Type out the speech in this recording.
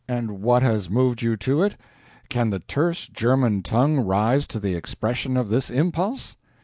And what has moved you to it? Can the terse German tongue rise to the expression of this impulse?